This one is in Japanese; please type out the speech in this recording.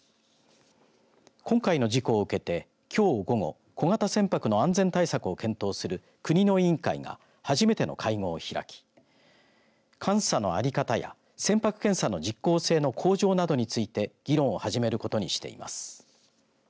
今回の事故を受けて、きょう午後小型船舶の安全対策を検討する国の委員会が初めての会合を開き監査の在り方や船舶検査の実効性の向上などについて議論を始めることにしています。